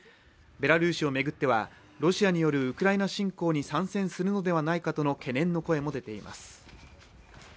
ベラルーシを巡ってはロシアによるウクライナ侵攻に参戦するのではないかとの懸念の声も出ています。